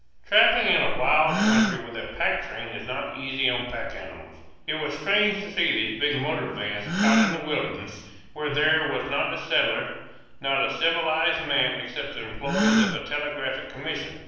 Travelling in a wild country with a pack train is not easy on the pack animals. It was strange to see these big motor vans out in the wilderness where there was not a settler, not a civilized man except the employees of the Telegraphic Commission.